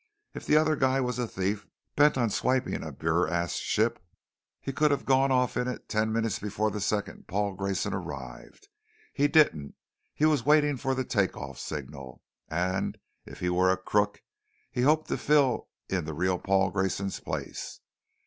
"If the other guy was a thief bent on swiping a BurAst ship, he could have gone off in it ten minutes before the second Paul Grayson arrived. He didn't. He was waiting for the take off signal; and if he were a crook, he hoped to fill in the real Paul Grayson's place.